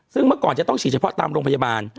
ซึ่งเมื่อก่อนจะต้องฉีดเฉพาะตามโรงพยาบาล